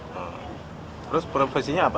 terus profesinya apa